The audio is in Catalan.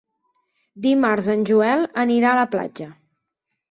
Dimarts en Joel anirà a la platja.